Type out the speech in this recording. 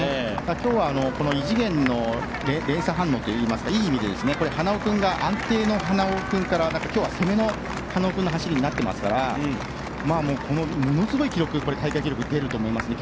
今日は異次元の連鎖反応といいますかいい意味で花尾君が安定の花尾君から攻めの花尾君の走りになっていますからものすごい記録大会記録が出ると思いますね。